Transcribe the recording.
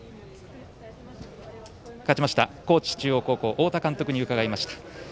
勝ちました、高知中央高校太田監督に伺いました。